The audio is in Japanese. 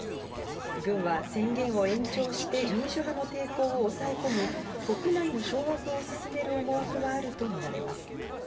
軍は宣言を延長して、民主派の抵抗を抑え込み、国内の掌握を進める思惑があると見られます。